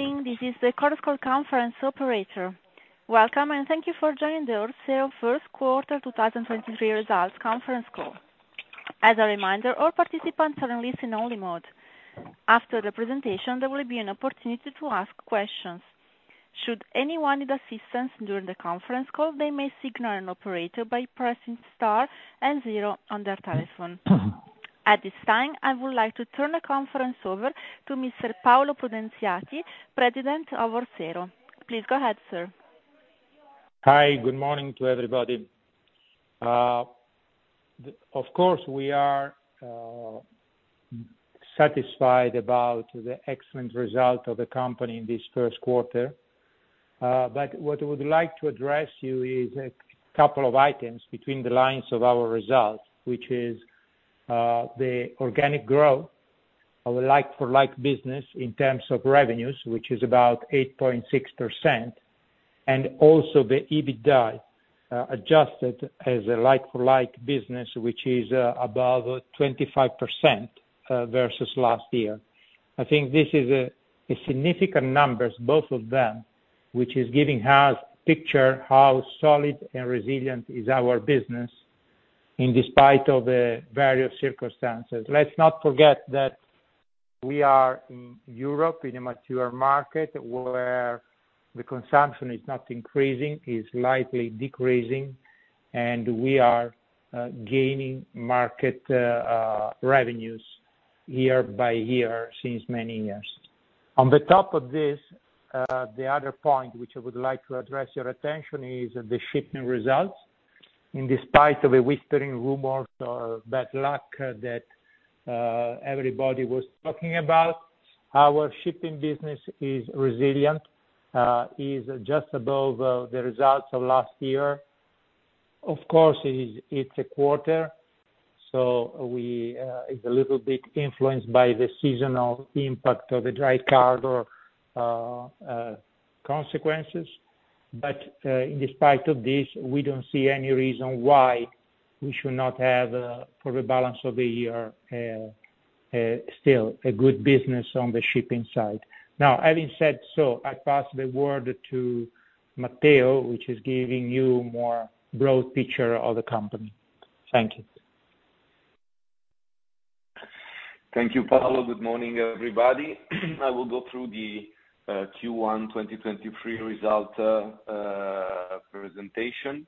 Good morning. This is the Chorus Call operator. Welcome. Thank you for joining the Orsero first quarter 2023 results conference call. As a reminder, all participants are in listen only mode. After the presentation, there will be an opportunity to ask questions. Should anyone need assistance during the conference call, they may signal an operator by pressing star 0 on their telephone. At this time, I would like to turn the conference over to Mr. Paolo Prudenziati, President of Orsero. Please go ahead, sir. Hi. Good morning to everybody. Of course, we are satisfied about the excellent result of the company in this first quarter. What I would like to address you is a couple of items between the lines of our results, which is the organic growth of a like-for-like business in terms of revenues, which is about 8.6%, and also the EBITDA adjusted as a like-for-like business, which is above 25% versus last year. I think this is a significant numbers, both of them, which is giving us picture how solid and resilient is our business in despite of the various circumstances. Let's not forget that we are in Europe, in a mature market, where the consumption is not increasing, is slightly decreasing, and we are gaining market revenues year by year since many years. On the top of this, the other point which I would like to address your attention is the shipping results. In despite of a whispering rumor or bad luck that everybody was talking about, our shipping business is resilient, is just above the results of last year. Of course it's a quarter, so we, it's a little bit influenced by the seasonal impact of the dry cargo consequences. In despite of this, we don't see any reason why we should not have, for the balance of the year, still a good business on the shipping side. Having said so, I pass the word to Matteo, which is giving you more broad picture of the company. Thank you. Thank you, Paolo. Good morning, everybody. I will go through the Q1 2023 result presentation.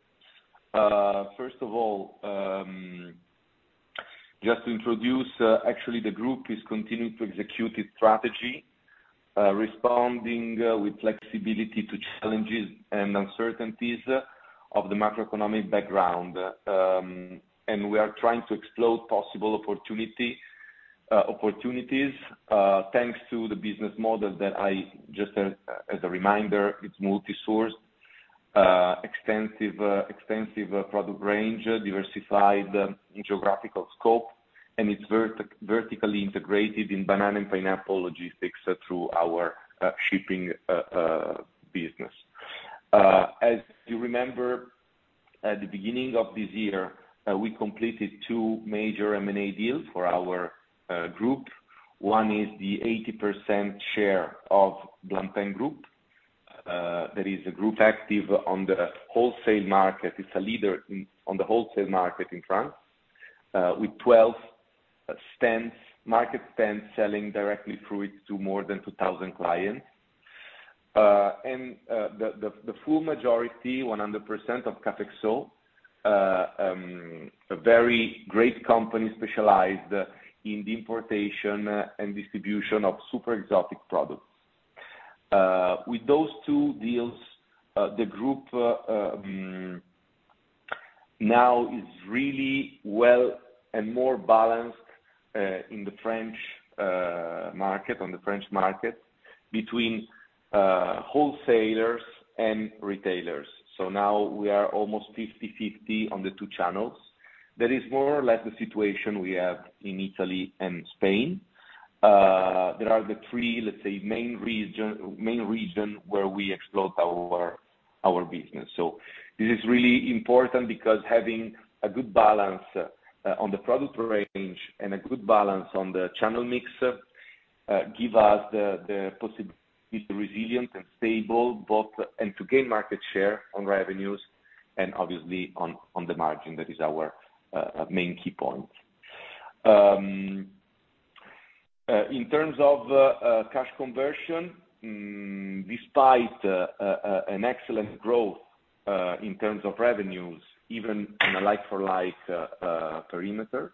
First of all, just to introduce, actually the group is continuing to execute its strategy, responding with flexibility to challenges and uncertainties of the macroeconomic background. We are trying to explore possible opportunities, thanks to the business model that I just as a reminder, it's multi-sourced, extensive product range, diversified geographical scope, and it's vertically integrated in banana and pineapple logistics through our shipping business. As you remember, at the beginning of this year, we completed two major M&A deals for our group. One is the 80% share of Blampin Groupe. That is a group active on the wholesale market. It's a leader on the wholesale market in France, with 12 stands, market stands selling directly fruits to more than 2,000 clients. 100% of Capexo, a very great company specialized in the importation and distribution of super exotic products. With those two deals, the group now is really well and more balanced in the French market, on the French market between wholesalers and retailers. Now we are almost 50/50 on the two channels. That is more or less the situation we have in Italy and Spain. There are the 3, let's say, main region where we explore our business. This is really important because having a good balance on the product range and a good balance on the channel mix, give us this resilience and stable both and to gain market share on revenues and obviously on the margin. That is our main key point. In terms of cash conversion, despite an excellent growth in terms of revenues, even in a like-for-like perimeter,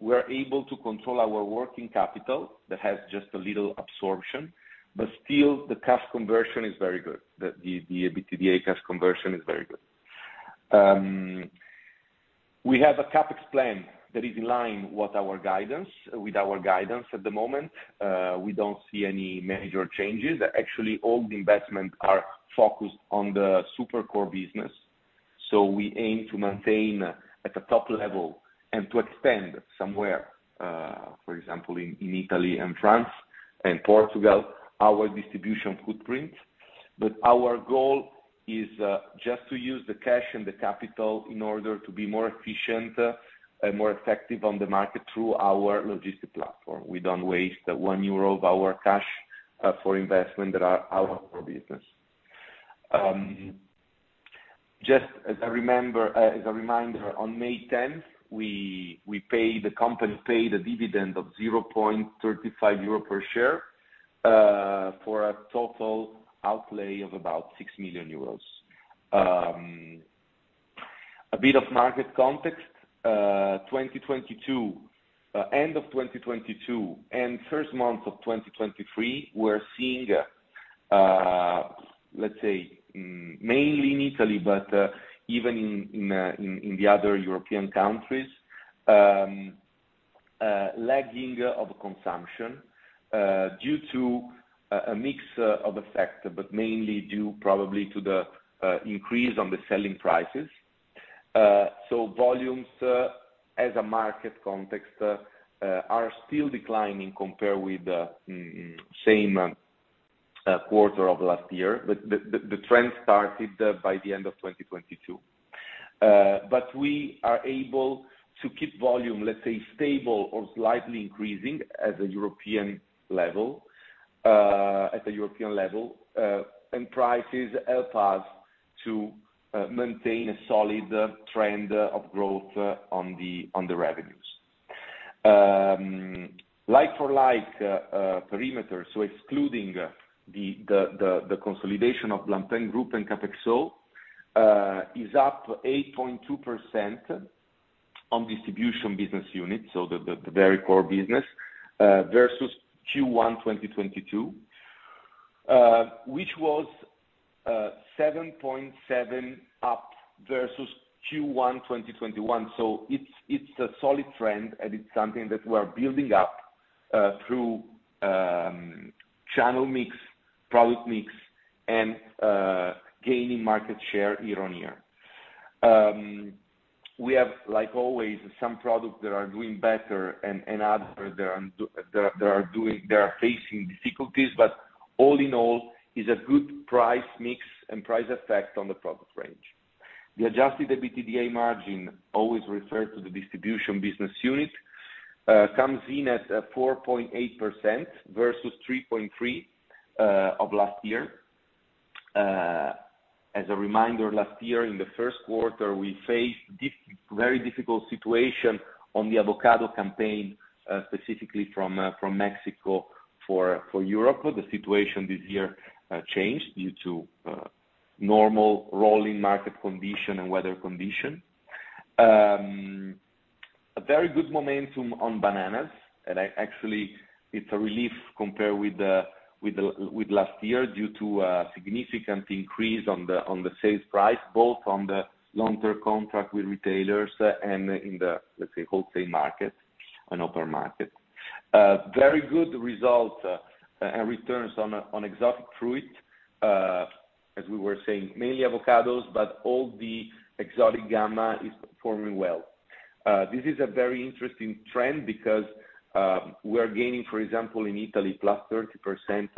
we're able to control our working capital that has just a little absorption, but still the cash conversion is very good. The EBITDA cash conversion is very good. We have a CapEx plan that is in line with our guidance, with our guidance at the moment. We don't see any major changes. Actually, all the investment are focused on the super core business. We aim to maintain at the top level and to extend somewhere, for example, in Italy and France and Portugal, our distribution footprint. Our goal is just to use the cash and the capital in order to be more efficient and more effective on the market through our logistic platform. We don't waste 1 euro of our cash for investment that are out of our business. As a reminder, on May 10th, the company paid a dividend of 0.35 euro per share for a total outlay of about 6 million euros. A bit of market context. 2022, end of 2022 and first month of 2023, we're seeing, let's say, mainly in Italy, but even in the other European countries, lagging of consumption, due to a mix of factor, but mainly due probably to the increase on the selling prices. Volumes, as a market context, are still declining compared with the same quarter of last year. The trend started by the end of 2022. We are able to keep volume, let's say, stable or slightly increasing at the European level, at the European level, and prices help us to maintain a solid trend of growth on the revenues. Like for like perimeter, so excluding the consolidation of Blampin Groupe and Capexo, is up 8.2% on distribution business units, so the very core business, versus Q1 2022, which was 7.7% up versus Q1 2021. It's a solid trend, and it's something that we're building up through channel mix, product mix and gaining market share year-on-year. We have, like always, some products that are doing better and others that are facing difficulties. All in all, is a good price mix and price effect on the product range. The Adjusted EBITDA margin always referred to the Distribution business unit, comes in at 4.8% versus 3.3% of last year. As a reminder, last year in the first quarter, we faced very difficult situation on the avocado campaign, specifically from Mexico for Europe. The situation this year changed due to normal rolling market condition and weather condition. A very good momentum on bananas, actually it's a relief compared with last year due to a significant increase on the sales price, both on the long-term contract with retailers and in the, let's say, wholesale market and upper market. Very good results and returns on exotic fruit. As we were saying, mainly avocados, but all the exotic gamma is performing well. This is a very interesting trend because we are gaining, for example, in Italy, +30%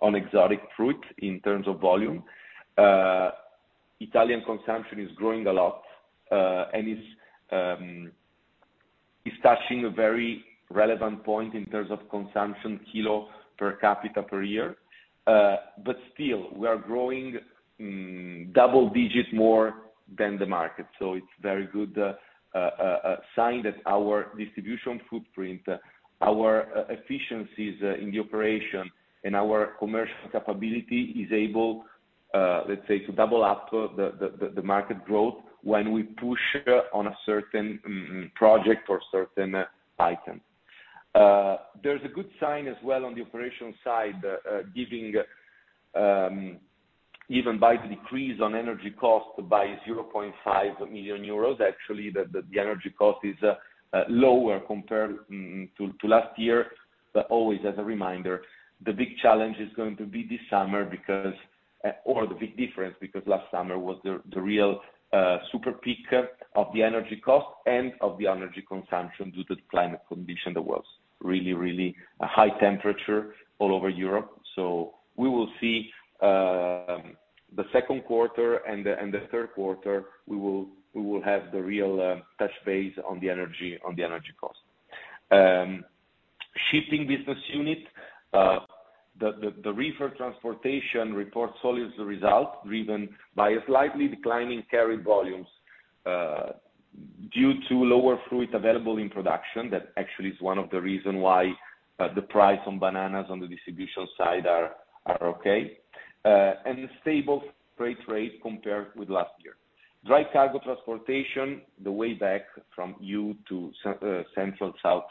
on exotic fruit in terms of volume. Italian consumption is growing a lot and is touching a very relevant point in terms of consumption kilo per capita per year. Still, we are growing double digit more than the market. It's very good sign that our distribution footprint, our e-efficiencies in the operation and our commercial capability is able, let's say, to double up the market growth when we push on a certain project or certain item. There's a good sign as well on the operational side, giving even by the decrease on energy cost by 0.5 million euros, actually, the energy cost is lower compared to last year. Always as a reminder, the big challenge is going to be this summer because or the big difference, because last summer was the real super peak of the energy cost and of the energy consumption due to the climate condition that was really a high temperature all over Europe. We will see the second quarter and the third quarter, we will have the real touch base on the energy, on the energy cost. Shipping business unit. The reefer transportation reports solid result driven by a slightly declining carry volumes due to lower fruit available in production. That actually is one of the reason why the price on bananas on the distribution side are okay and a stable freight rate compared with last year. Dry cargo transportation, the way back from Central South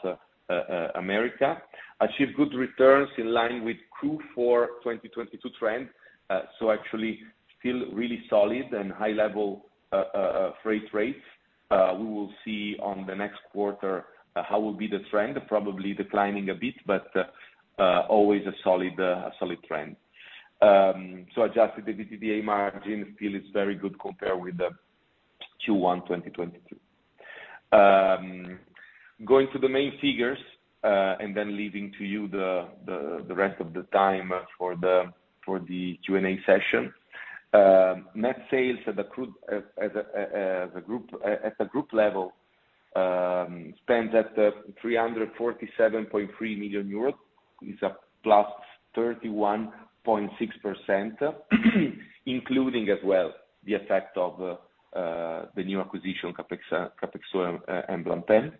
America, achieve good returns in line withQ4 2022 trend. Actually still really solid and high level freight rates. We will see on the next quarter how will be the trend. Probably declining a bit, always a solid trend. Adjusted EBITDA margin still is very good compared with the Q1 2022. Going to the main figures, leaving to you the rest of the time for the Q&A session. Net sales at the group level stands at 347.3 million euros, is a +31.6% including as well, the effect of the new acquisition, Capexo, and Blampin.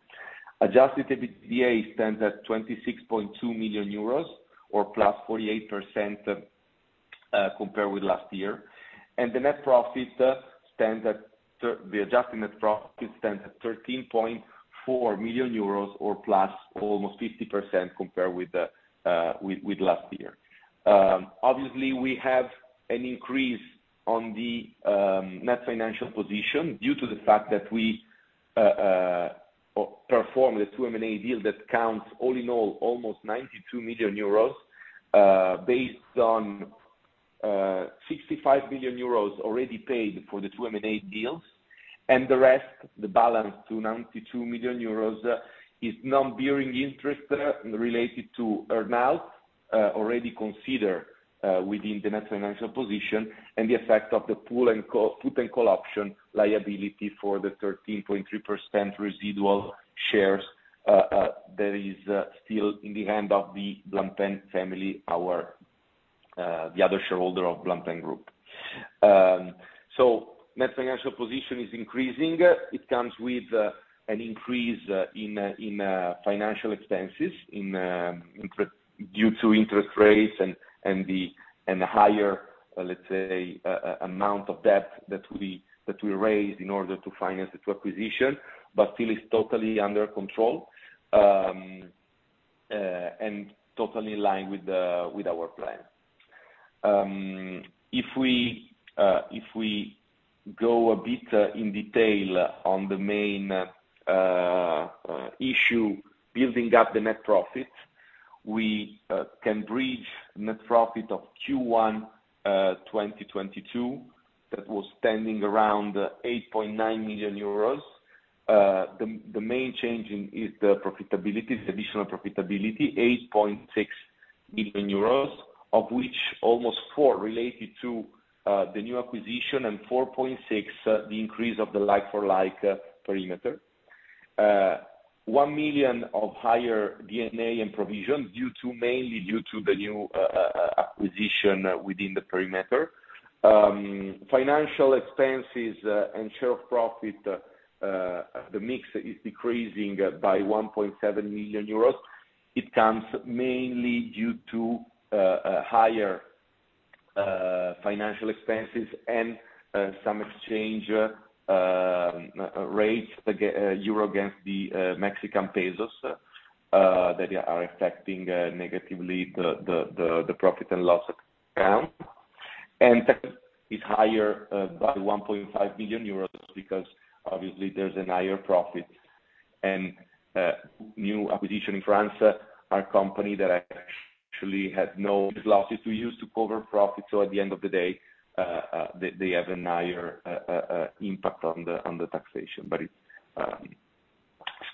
Adjusted EBITDA stands at 26.2 million euros or +48% compared with last year. The net profit stands at the adjusted net profit stands at 13.4 million euros or +almost 50% compared with last year. Obviously we have an increase on the net financial position due to the fact that we perform the two M&A deal that counts all in all, almost 92 million euros, based on 65 million euros already paid for the two M&A deals. The rest, the balance to 92 million euros is non-bearing interest related to earn-out, already considered within the net financial position and the effect of the put and call option liability for the 13.3% residual shares that is still in the hand of the Blampin family, our the other shareholder of Blampin Groupe. Net financial position is increasing. It comes with an increase in financial expenses due to interest rates and the higher, let's say, amount of debt that we raised in order to finance the two acquisition, but still is totally under control and totally in line with our plan. If we go a bit in detail on the main issue building up the net profit, we can bridge net profit of Q1 2022, that was standing around 8.9 million euros. The main change in is the profitability, the additional profitability, 8.6 million euros, of which almost 4 related to the new acquisition and 4.6, the increase of the like-for-like perimeter. 1 million of higher D&A and provision mainly due to the new acquisition within the perimeter. Financial expenses and share of profit, the mix is decreasing by 1.7 million euros. It comes mainly due to higher financial expenses and some exchange rates euro against the Mexican pesos that are affecting negatively the profit and loss account. Tax is higher by 1.5 million euros because obviously there's a higher profit and new acquisition in France, a company that actually had no losses to use to cover profit. At the end of the day, they have a higher impact on the taxation, but it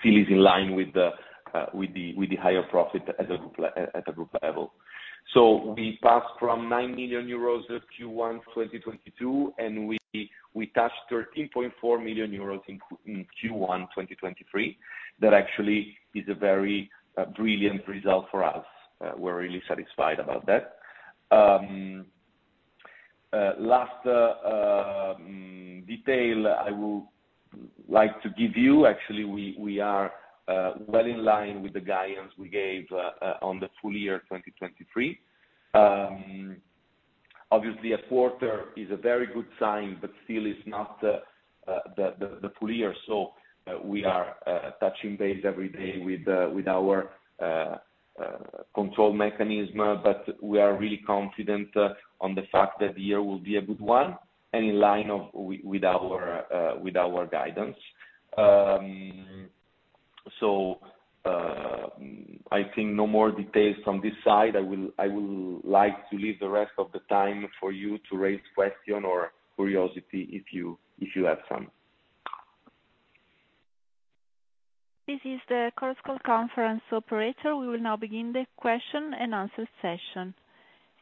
still is in line with the higher profit at a group level. We passed from 9 million euros at Q1 2022, and we touched 13.4 million euros in Q1 2023. That actually is a very brilliant result for us. We're really satisfied about that. Last detail I would like to give you, actually, we are well in line with the guidance we gave on the full year 2023. Obviously a quarter is a very good sign, but still is not the full year. We are touching base every day with with our control mechanism. We are really confident on the fact that the year will be a good one and in line of with our with our guidance. I think no more details on this side. I will like to leave the rest of the time for you to raise question or curiosity if you, if you have some. This is the Chorus Call conference operator. We will now begin the question and answer session.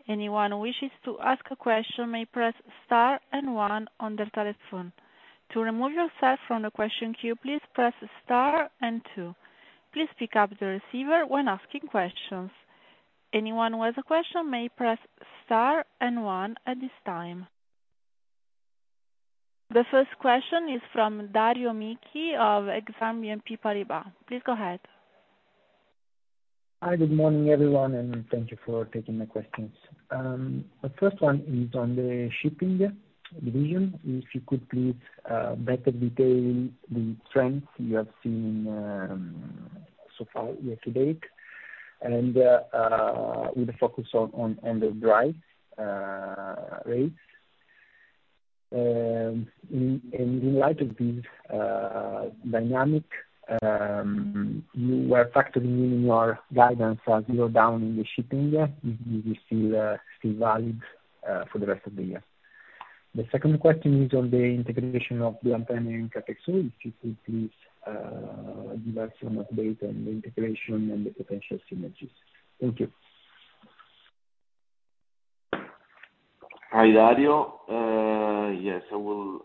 Anyone who wishes to ask a question may press star and 1 on their telephone. To remove yourself from the question queue, please press star and 2. Please pick up the receiver when asking questions. Anyone who has a question may press star and 1 at this time. The first question is from Dario Michi of Exane BNP Paribas. Please go ahead. Hi, good morning, everyone, and thank you for taking my questions. The first one is on the shipping division. If you could please better detail the strength you have seen so far year-to-date and with a focus on end of drive rates. In light of this dynamic, you were factoring in your guidance as you go down in the shipping year. Is this still valid for the rest of the year? The second question is on the integration of Capexso, if you could please give us some update on the integration and the potential synergies. Thank you. Hi, Dario. Yes, I will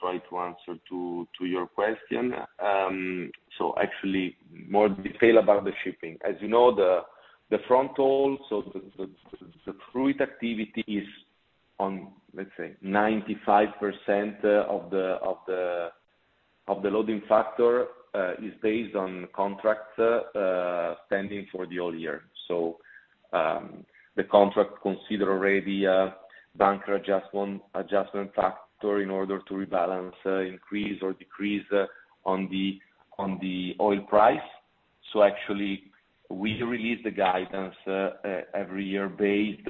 try to answer to your question. Actually more detail about the shipping. As you know, the fronthaul, so the fruit activity is on, let's say, 95% of the loading factor, is based on contract spending for the whole year. The contract consider already a bunker adjustment factor in order to rebalance increase or decrease on the oil price. Actually we release the guidance every year based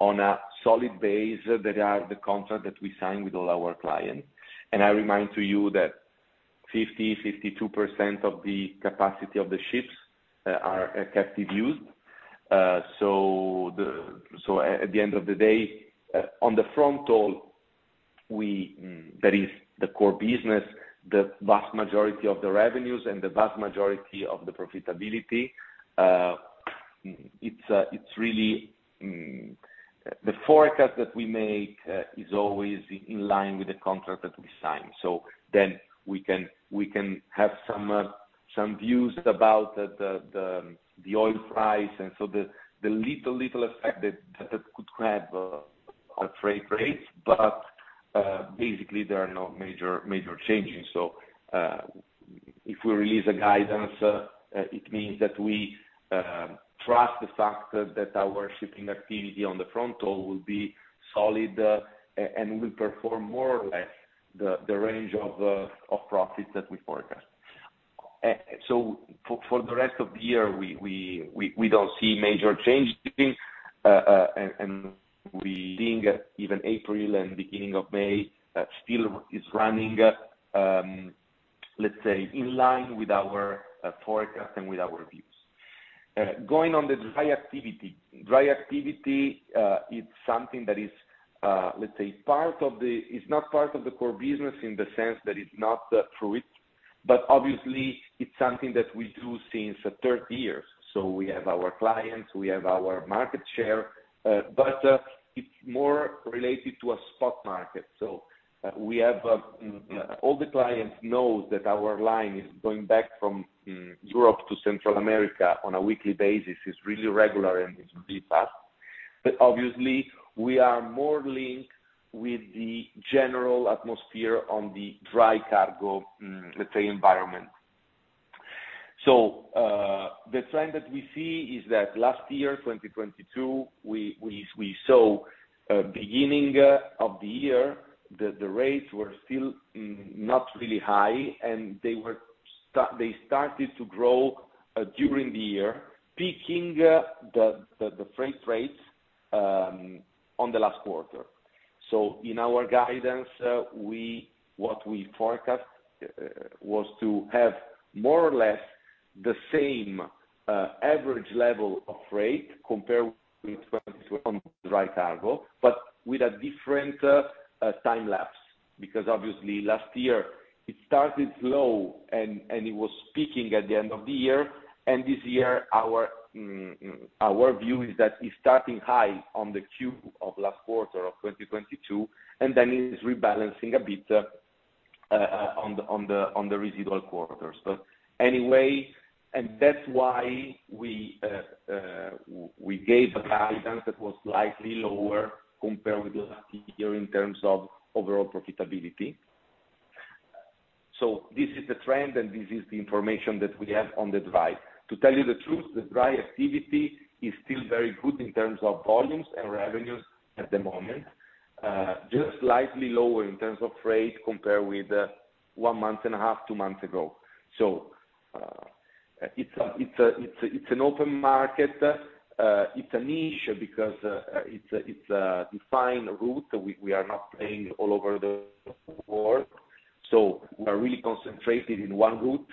on a solid base that are the contract that we sign with all our clients. I remind to you that 50-52% of the capacity of the ships are captive used. At the end of the day, on the fronthaul, we, that is the core business, the vast majority of the revenues and the vast majority of the profitability, it's really the forecast that we make, is always in line with the contract that we sign. We can have some views about the oil price. The little effect that could grab our freight rates, but basically there are no major changes. If we release a guidance, it means that we trust the fact that our shipping activity on the fronthaul will be solid and will perform more or less the range of profits that we forecast. For the rest of the year, we don't see major change, and we think even April and beginning of May still is running, let's say in line with our forecast and with our views. Going on the dry activity. Dry activity is something that is, let's say part of the. It's not part of the core business in the sense that it's not the fruit, obviously it's something that we do since 30 years. We have all the clients know that our line is going back from Europe to Central America on a weekly basis. It's really regular and it's really fast. Obviously we are more linked with the general atmosphere on the dry cargo, let's say, environment. The trend that we see is that last year, 2022, we saw beginning of the year, the rates were still not really high, and they started to grow during the year, peaking the freight rates on the last quarter. In our guidance, what we forecast was to have more or less the same average level of freight compared with on dry cargo, but with a different time lapse, because obviously last year it started slow and it was peaking at the end of the year. This year our view is that it's starting high on the Q of last quarter of 2022, then it is rebalancing a bit on the residual quarters. That's why we gave a guidance that was slightly lower compared with last year in terms of overall profitability. This is the trend, and this is the information that we have on the dry. To tell you the truth, the dry activity is still very good in terms of volumes and revenues at the moment, just slightly lower in terms of freight compared with 1 month and a half, 2 months ago. It's an open market. It's a niche because it's a defined route. We are not playing all over the world, we are really concentrated in one route,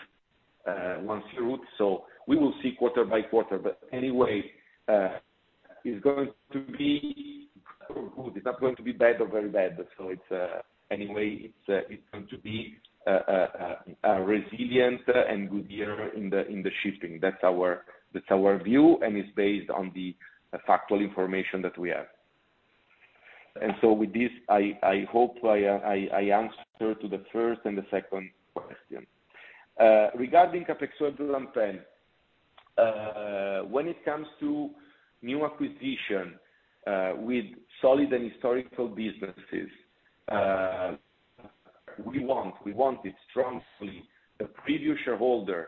one route. We will see quarter by quarter. Anyway, it's going to be good. It's not going to be bad or very bad. It's, anyway, it's going to be a resilient and good year in the shipping. That's our view, and it's based on the factual information that we have. With this, I hope I answered to the first and the second question. Regarding Capexso to Blampin, when it comes to new acquisition, with solid and historical businesses, we want it strongly the previous shareholder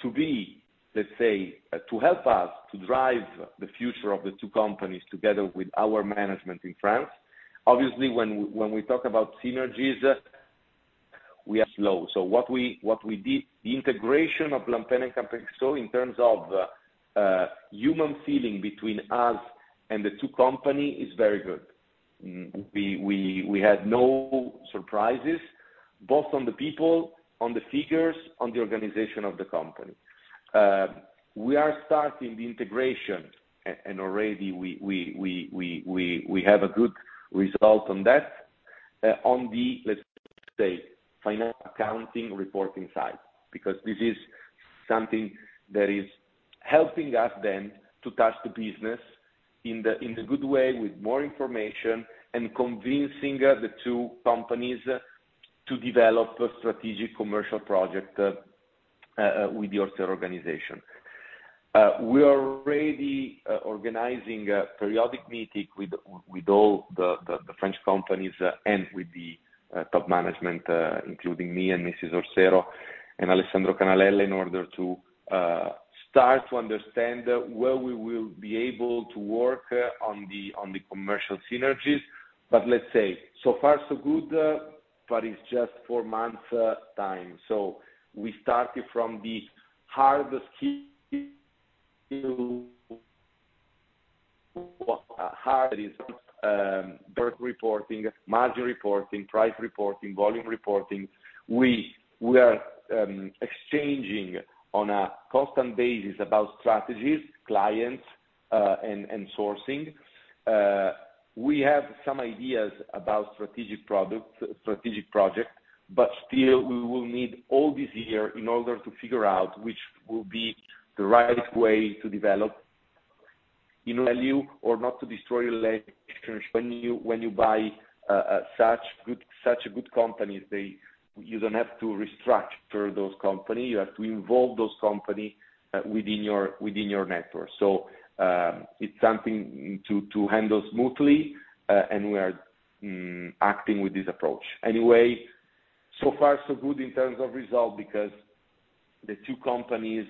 to be, let's say, to help us to drive the future of the two companies together with our management in France. Obviously, when we talk about synergies, we are slow. What we did, the integration of Blampin and Capexso in terms of human feeling between us and the two company is very good. We had no surprises. Both on the people, on the figures, on the organization of the company. We are starting the integration and already we have a good result on that, on the, let's say, final accounting reporting side. This is something that is helping us then to touch the business in the good way with more information and convincing the two companies to develop a strategic commercial project with the Orsero organization. We are already organizing a periodic meeting with all the French companies and with the top management, including me and Mrs. Orsero and Alessandro Canalella in order to start to understand where we will be able to work on the commercial synergies. Let's say, so far so good, but it's just four months time. We started from the hardest key to birth reporting, margin reporting, price reporting, volume reporting. We are exchanging on a constant basis about strategies, clients and sourcing. We have some ideas about strategic project, still we will need all this year in order to figure out which will be the right way to develop in value or not to destroy relationships when you, when you buy such good, such a good company. You don't have to restructure those company. You have to involve those company within your network. It's something to handle smoothly, and we are acting with this approach. So far so good in terms of result because the two companies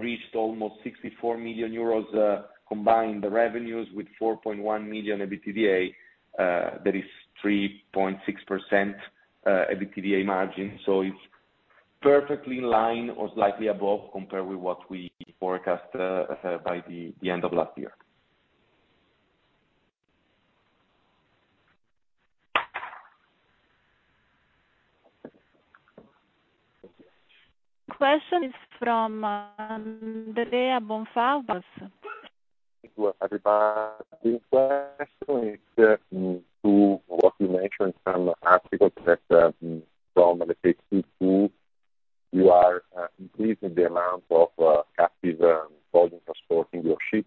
reached almost 64 million euros combined revenues with 4.1 million EBITDA. That is 3.6% EBITDA margin. It's perfectly in line or slightly above compared with what we forecast by the end of last year. Question is from Andrea Bonfà. Thank you, everybody. Question is, to what you mentioned some articles that, from let's say Q2, you are increasing the amount of captive volume transporting your ship.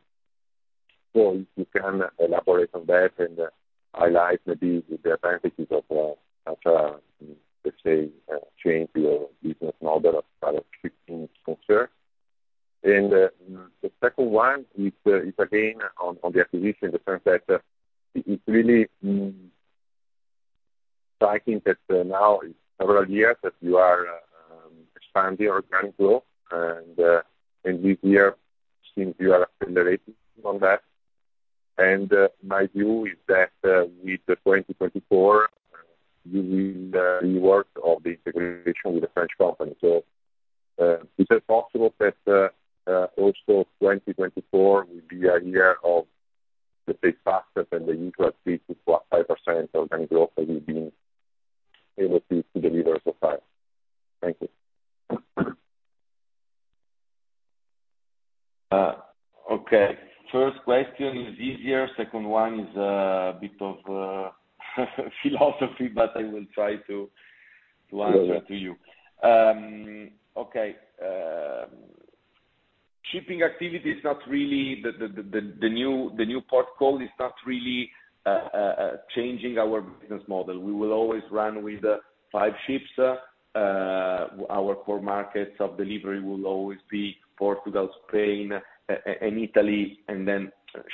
If you can elaborate on that and highlight maybe the advantages of, let's say, changing your business model as far as shipping is concerned. The second one is again on the acquisition, the fact that it's really striking that now it's several years that you are expanding organic growth. This year seems you are accelerating on that. My view is that with the 2024, you will rework of the integration with the French company. Is it possible that also 2024 will be a year of, let's say, faster than the usual 3 to what, 5% organic growth that you've been able to deliver so far? Thank you. Okay. First question is easier, second one is a bit of philosophy, but I will try to answer to you. Okay. Shipping activity is not really the new port call is not really changing our business model. We will always run with five ships. Our core markets of delivery will always be Portugal, Spain, and Italy, and then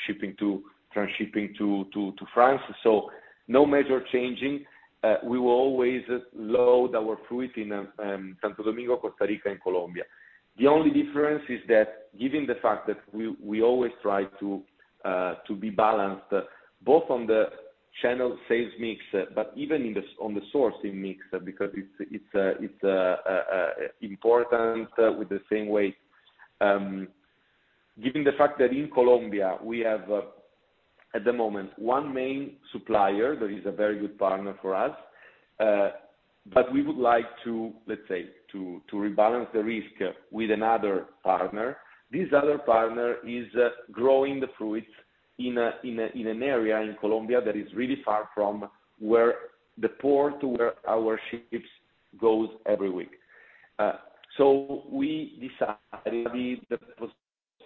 shipping to, transshipping to France. No major changing. We will always load our fruit in Santo Domingo, Costa Rica and Colombia. The only difference is that given the fact that we always try to be balanced both on the channel sales mix, but even on the sourcing mix, because it's important with the same way, given the fact that in Colombia we have at the moment one main supplier that is a very good partner for us. We would like to, let's say, to rebalance the risk with another partner. This other partner is growing the fruits in an area in Colombia that is really far from where the port where our ships goes every week. We decided the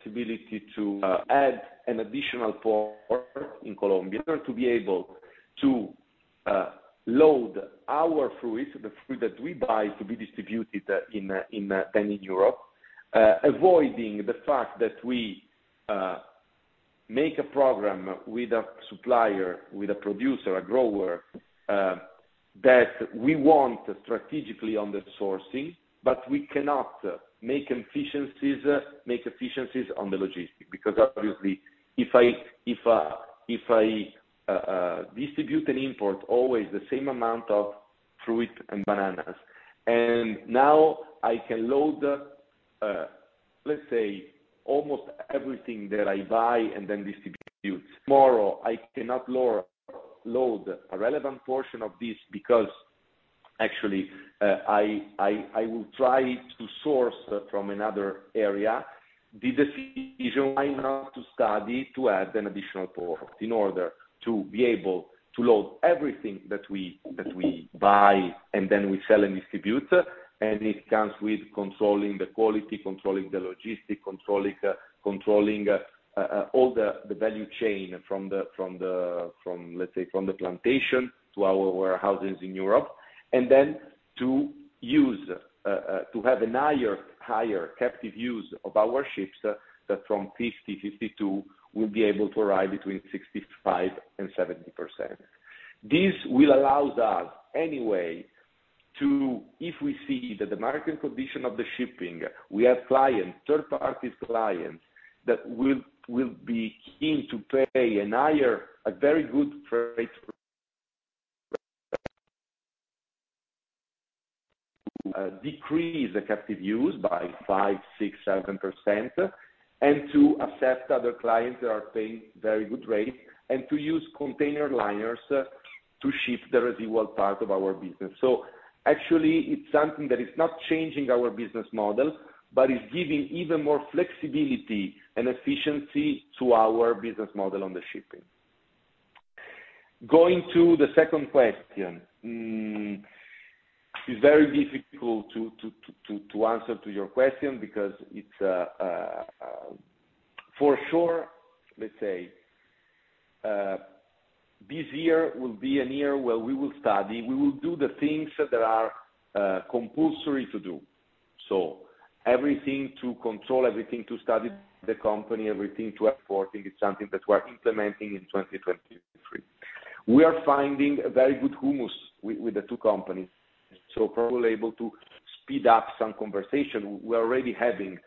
possibility to add an additional port in Colombia in order to be able to load our fruits, the fruit that we buy to be distributed in, then in Europe, avoiding the fact that we make a program with a supplier, with a producer, a grower, that we want strategically on the sourcing, but we cannot make efficiencies on the logistics. Obviously, if I distribute and import always the same amount of fruit and bananas, and now I can load, let's say almost everything that I buy and then distribute. Tomorrow, I cannot load a relevant portion of this because actually, I, I will try to source from another area. The decision I have to study to add an additional port in order to be able to load everything that we buy, then we sell and distribute. It comes with controlling the quality, controlling the logistic, controlling all the value chain from, let's say, from the plantation to our warehouses in Europe. Then to use to have a higher captive use of our ships, that from 50-52 will be able to rise between 65% and 70%. This will allow us, anyway, to if we see that the market condition of the shipping, we have clients, third-party clients, that will be keen to pay an higher, a very good price rate, decrease the captive use by 5%, 6%, 7%, and to accept other clients that are paying very good rates, and to use container liners to ship the residual part of our business. Actually, it's something that is not changing our business model, but is giving even more flexibility and efficiency to our business model on the shipping. Going to the second question. It's very difficult to answer to your question because it's for sure, let's say, this year will be a year where we will study, we will do the things that are compulsory to do. Everything to control, everything to study the company, everything to afford, it's something that we're implementing in 2023. We are finding a very good humus with the two companies, so probably able to speed up some conversation. We're already having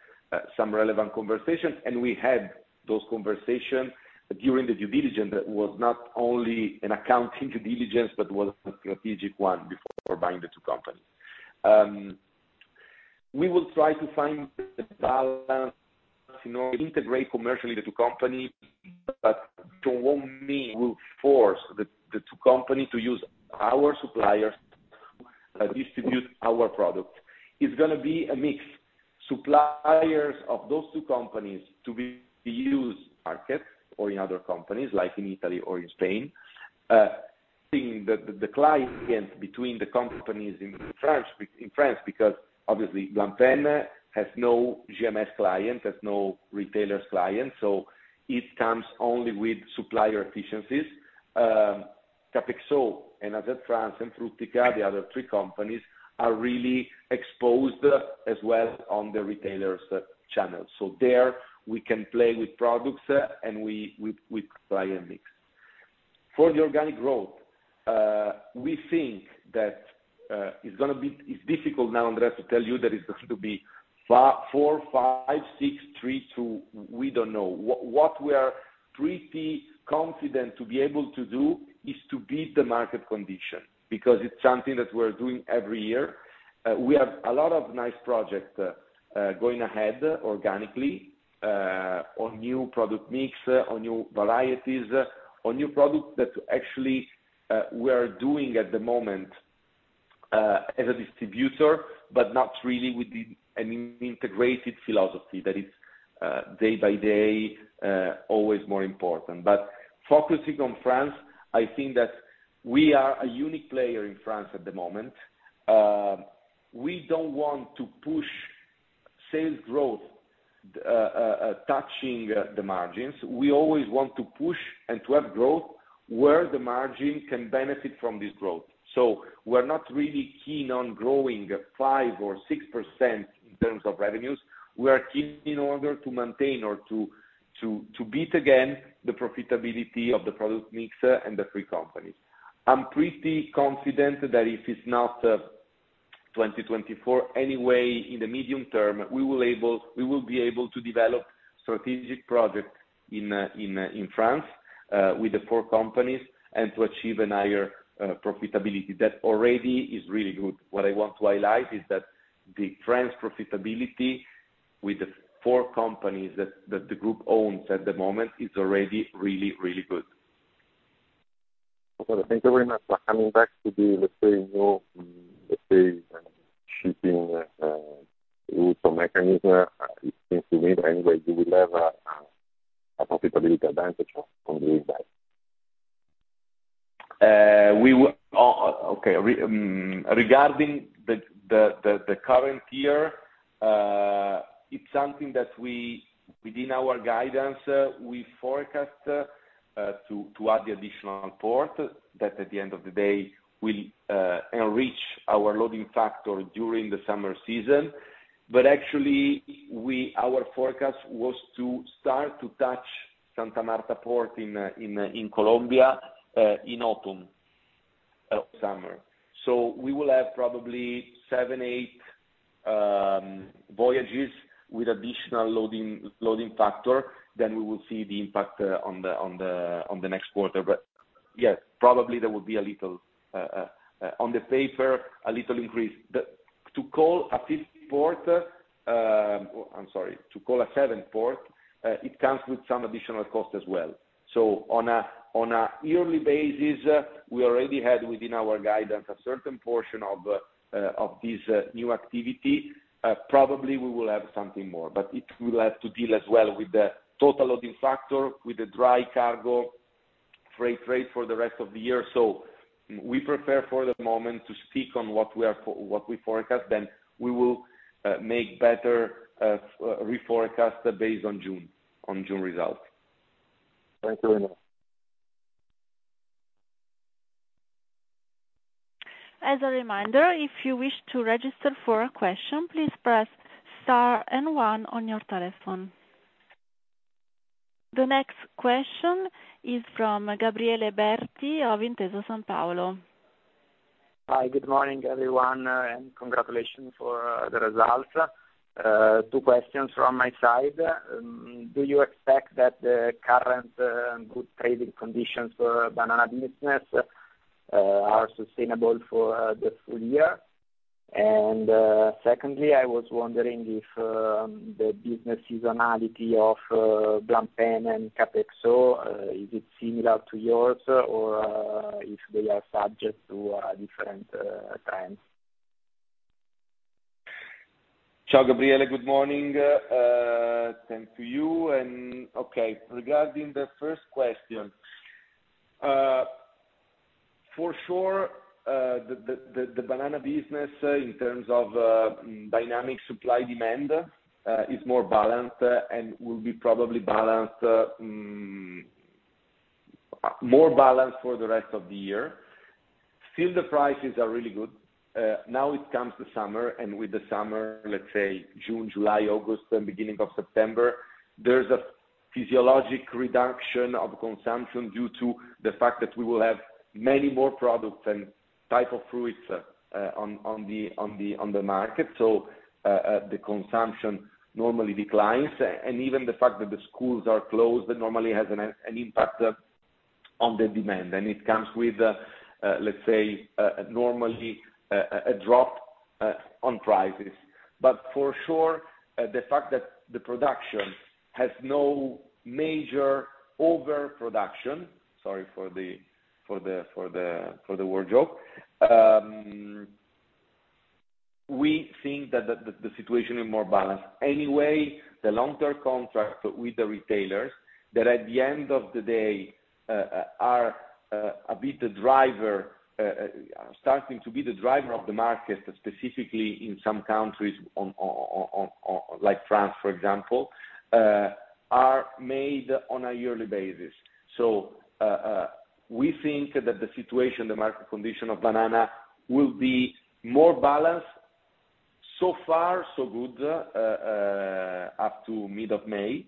some relevant conversations, and we had those conversations during the due diligence. That was not only an accounting due diligence, but was a strategic one before buying the two companies. We will try to find the balance, you know, integrate commercially the two companies, but it won't mean we'll force the two companies to use our suppliers that distribute our product. It's gonna be a mix, suppliers of those two companies to use market or in other companies like in Italy or in Spain. Seeing the client between the companies in France, in France, because obviously Blampin has no GMS client, has no retailers client, it comes only with supplier efficiencies. Capexso and AZ France and Fruttica, the other three companies, are really exposed as well on the retailers channel. There, we can play with products and with client mix. For the organic growth, we think that it's gonna be difficult now, Andreas, to tell you that it's going to be 4, 5, 6, 3, 2. We don't know. What we are pretty confident to be able to do is to beat the market condition because it's something that we're doing every year. We have a lot of nice projects going ahead organically on new product mix, on new varieties, on new products that actually we are doing at the moment as a distributor, but not really with an integrated philosophy that is day by day always more important. Focusing on France, I think that we are a unique player in France at the moment. We don't want to push sales growth touching the margins. We always want to push and to have growth where the margin can benefit from this growth. We're not really keen on growing 5% or 6% in terms of revenues. We are keen in order to maintain or to beat again the profitability of the product mix and the 3 companies. I'm pretty confident that if it's not, 2024, anyway, in the medium term, we will be able to develop strategic projects in, in France, with the four companies, and to achieve a higher, profitability. That already is really good. What I want to highlight is that the France profitability with the four companies that the group owns at the moment is already really, really good. Okay, thank you very much for coming back to the, let's say, new shipping route or mechanism. It seems to me that anyway you will have a profitability advantage from this side. We will Okay. Regarding the current year, it's something that we, within our guidance, we forecast to add the additional port that at the end of the day will enrich our loading factor during the summer season. Actually we, our forecast was to start to touch Santa Marta Port in Colombia in autumn. Summer. We will have probably 7, 8 voyages with additional loading factor, we will see the impact on the next quarter. Yes, probably there will be a little on the paper, a little increase. To call a 7th port, it comes with some additional cost as well. On a yearly basis, we already had within our guidance a certain portion of this new activity. Probably we will have something more, but it will have to deal as well with the total loading factor, with the dry cargo freight rate for the rest of the year. We prepare for the moment to speak on what we forecast. We will make better reforecast based on June, on June results. Thank you very much. As a reminder, if you wish to register for a question, please press Star and One on your telephone. The next question is from Gabriele Berti of Intesa Sanpaolo. Hi, good morning, everyone, and congratulations for the results. Two questions from my side. Do you expect that the current good trading conditions for banana business are sustainable for the full year? Secondly, I was wondering if the business seasonality of Blampin and Capexo is it similar to yours or if they are subject to a different trend? Ciao, Gabriele. Good morning. Same to you. Okay, regarding the first question, for sure, the banana business in terms of dynamic supply-demand is more balanced and will be probably balanced more balanced for the rest of the year. Still, the prices are really good. Now it comes to summer, and with the summer, let's say June, July, August, and beginning of September, there's a physiologic reduction of consumption due to the fact that we will have many more products and type of fruits on the market. The consumption normally declines. Even the fact that the schools are closed normally has an impact on the demand. It comes with, let's say, normally, a drop on prices. For sure, the fact that the production has no major overproduction, sorry for the word joke, we think that the situation is more balanced. The long-term contract with the retailers that at the end of the day are a bit the driver, starting to be the driver of the market, specifically in some countries on like France, for example, are made on a yearly basis. We think that the situation, the market condition of banana will be more balanced. So far so good up to mid of May.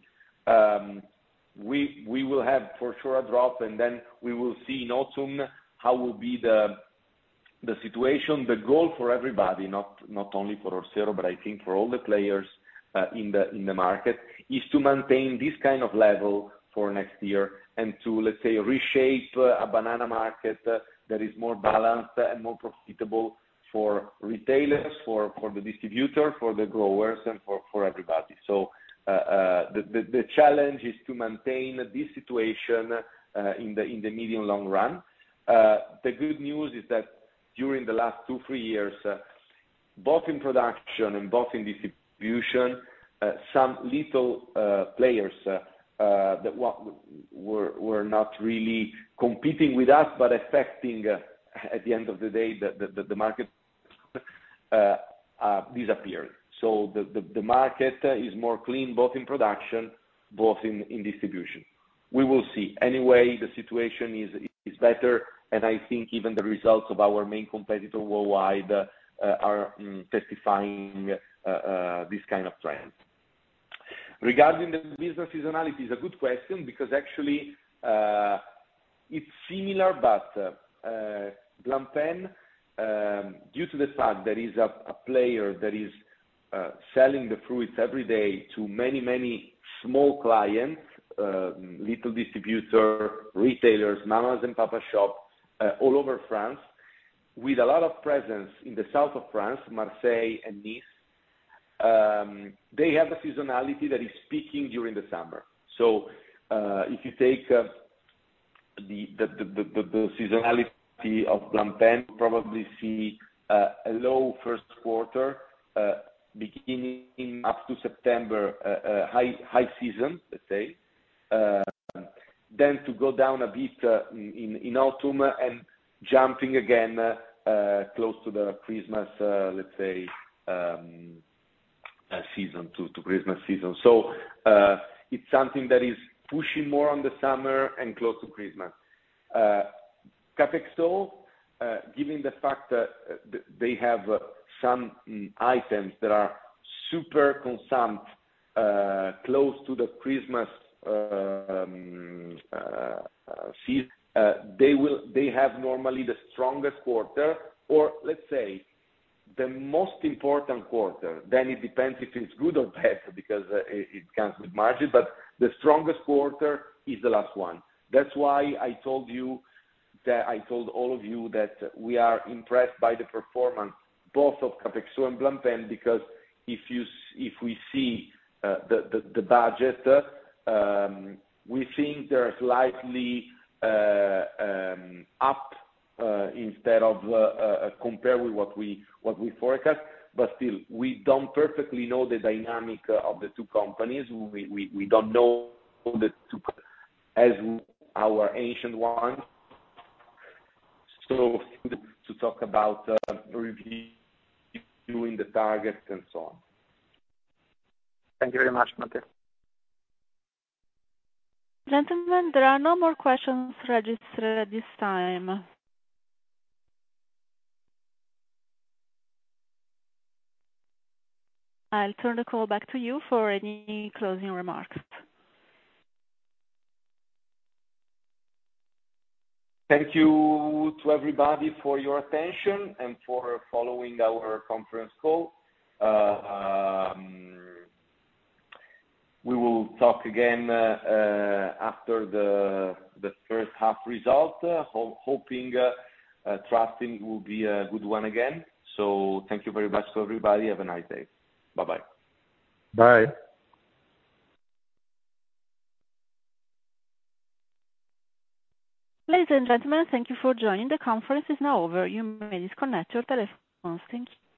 We will have for sure a drop, and then we will see in autumn how will be the situation. The goal for everybody, not only for Orsero, but I think for all the players in the market, is to maintain this kind of level for next year and to, let's say, reshape a banana market that is more balanced and more profitable for retailers, for the distributor, for the growers, and for everybody. The challenge is to maintain this situation in the medium long run. The good news is that during the last 2, 3 years, both in production and both in distribution, some little players that were not really competing with us, but affecting at the end of the day, the market, disappeared. The market is more clean, both in production, both in distribution. We will see. Anyway, the situation is better, and I think even the results of our main competitor worldwide are testifying this kind of trend. Regarding the business seasonality, it's a good question because actually, it's similar, but Blampin, due to the fact there is a player that is selling the fruits every day to many, many small clients, little distributor, retailers, mamas and papa shop, all over France, with a lot of presence in the south of France, Marseille and Nice, they have a seasonality that is peaking during the summer. If you take the seasonality of Blampin, probably see a low first quarter, beginning up to September, high season, let's say. To go down a bit in autumn and jumping again close to the Christmas season. It's something that is pushing more on the summer and close to Christmas. Capexo, given the fact that they have some items that are super consumed close to the Christmas, they have normally the strongest quarter or the most important quarter. It depends if it's good or bad because it comes with margin. The strongest quarter is the last one. That's why I told all of you that we are impressed by the performance both of Capexo and Blampin because if we see the budget, we think they're slightly up instead of compared with what we forecast. We don't perfectly know the dynamic of the two companies. We don't know the two as our ancient one. To talk about reviewing the target and so on. Thank you very much, Matteo. Gentlemen, there are no more questions registered at this time. I'll turn the call back to you for any closing remarks. Thank you to everybody for your attention and for following our conference call. We will talk again after the first half result. Hoping, trusting it will be a good one again. Thank you very much to everybody. Have a nice day. Bye-bye. Bye. Ladies and gentlemen, thank you for joining. The conference is now over. You may disconnect your telephones. Thank you.